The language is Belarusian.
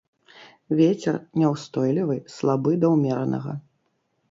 Вецер няўстойлівы, слабы да ўмеранага.